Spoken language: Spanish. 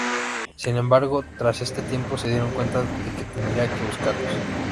Sin embargo, tras este tiempo, se dieron cuenta de que tendrían que buscarlos.